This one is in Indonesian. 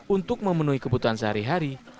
untuk memenuhi kebutuhan sehari hari